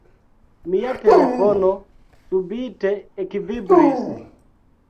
Mia telefono subite ekvibris.